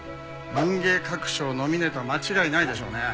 文芸各賞ノミネートは間違いないでしょうね。